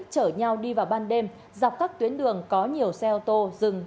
chở nhau đi vào ban đêm dọc các tuyến đường có nhiều xe ô tô dừng